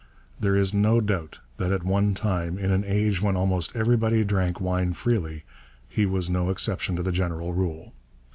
There is no doubt that at one time in an age when almost everybody drank wine freely he was no exception to the general rule.